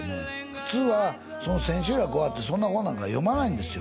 普通はその千秋楽終わってそんな本なんか読まないんですよ